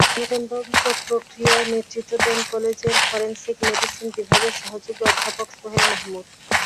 ময়নাতদন্ত প্রক্রিয়ায় নেতৃত্ব দেন কলেজের ফরেনসিক মেডিসিন বিভাগের সহযোগী অধ্যাপক সোহেল মাহমুদ।